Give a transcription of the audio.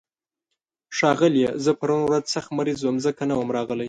ښاغليه، زه پرون ورځ سخت مريض وم، ځکه نه وم راغلی.